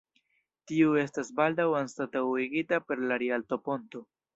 Tiu estis baldaŭ anstataŭigita per la Rialto-ponto.